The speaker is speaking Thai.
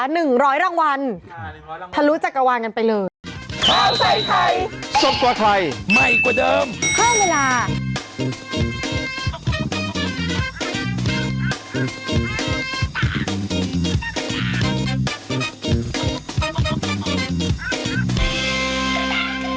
หนึ่งร้อยรางวัลทะลุจักรวาลกันไปเลยค่ะหนึ่งร้อยรางวัล